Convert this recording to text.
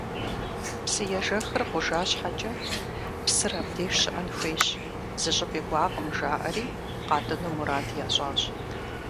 Псыежэхыр гъужа щхьэкӏэ, псыр абдеж щыӏэн хуейщ, зыщӏыпӏи кӏуакъым жаӏэри, къатӏыну мурад ящӏащ.